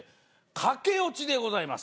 かけおちでございます。